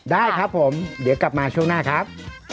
ได้ครับผมเดี๋ยวกลับมาช่วงหน้าครับ